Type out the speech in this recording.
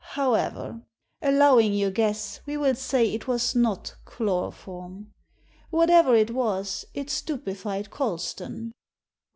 However, allowing your guess, we will say it was not chloro form. Whatever it was it stupefied Colston.